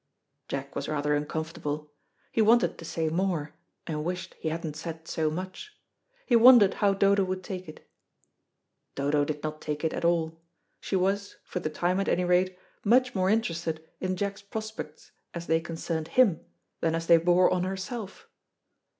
Jack was rather uncomfortable. He wanted to say more, and wished he hadn't said so much. He wondered how Dodo would take it. Dodo did not take it at all. She was, for the time at any rate, much more interested in Jack's prospects as they concerned him, than as they bore on herself.